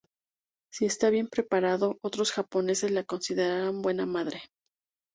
Si está bien preparado, otros japoneses la consideraran buena madre.